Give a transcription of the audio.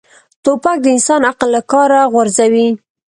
توپک د انسان عقل له کاره غورځوي.